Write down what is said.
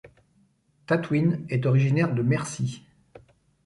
Tatwine est originaire de Mercie.